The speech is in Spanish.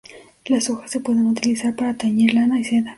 Las hojas se pueden utilizar para teñir lana y seda.